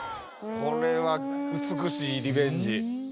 これは美しいリベンジ！